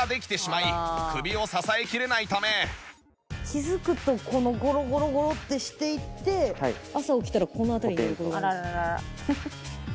気づくとこうゴロゴロゴロってしていって朝起きたらこの辺りで横になってる。